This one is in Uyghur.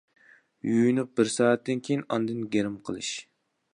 يۇيۇنۇپ بىر سائەتتىن كېيىن ئاندىن گىرىم قىلىش.